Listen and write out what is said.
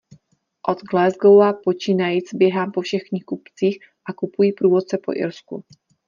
Od Glasgowa počínajíc běhám po všech knihkupcích a kupuji průvodce po Irsku.